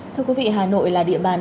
thưa quý vị hà nội là địa bàn